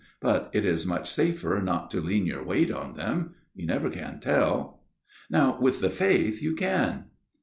But it is much safer not to lean your weight on them. You never can tell. Now with the faith you can."